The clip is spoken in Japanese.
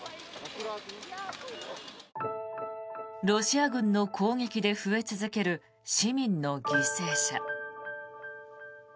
ロシア軍の攻撃で増え続ける市民の犠牲者。